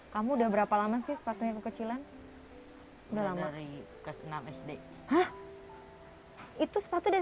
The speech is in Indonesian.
kamu udah berapa lama si sepatunya elderly